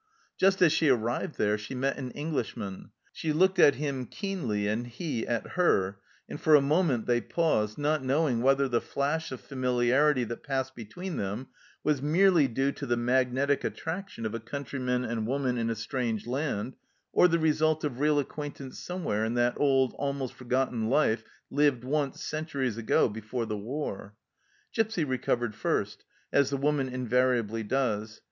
Just as she arrived there she met an Englishman. She looked at him keenly and he at her, and for a moment they paused, not knowing whether the flash of familiarity that passed between them was merely due to the magnetic attraction of a country man and woman in a strange land, or the result of real acquaintance somewhere in that old, almost forgotten life lived once, centuries ago, before the war. Gipsy recovered first, as the woman invariably does.